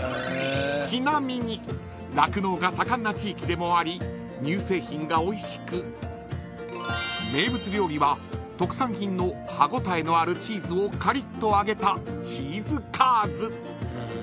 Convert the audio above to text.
ちなみに酪農が盛んな地域でもあり乳製品がおいしく名物料理は特産品の歯応えのあるチーズをカリッと揚げたチーズカーズ。